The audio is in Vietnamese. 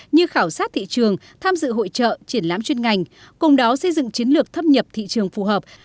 như khảo sát thị trường tham dự hội trợ triển lãm chuyên ngành cùng đó xây dựng chiến lược thâm nhập thị trường phù hợp